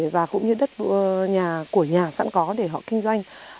và cũng như đất của nhà sẵn có để họ kinh doanh